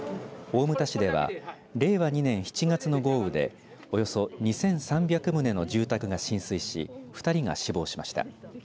大牟田市では令和２年７月の豪雨でおよそ２３００棟の住宅が浸水し２人が死亡しました。